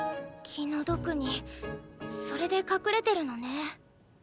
気の毒にそれで隠れてるのね。